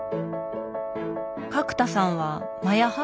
角田さんはマヤ派？